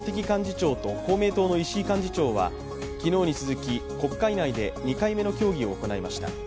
自民党の茂木幹事長と公明党の石井幹事長は昨日に続き、国会内で２回目の協議を行いました。